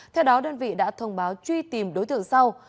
theo đó đơn vị đã thông báo truy tìm đối tượng sau